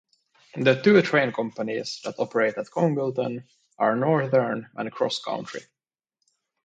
The two train companies that operate at Congleton are Northern and CrossCountry.